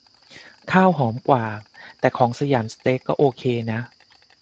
ข้าวหอมกว่า แต่ของสยามสเต็กก็โอเคนะ